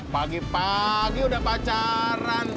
lagi pagi udah pacaran